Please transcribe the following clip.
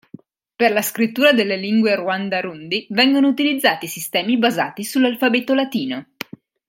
Per la scrittura delle lingue rwanda-rundi vengono utilizzati sistemi basati sull'alfabeto latino.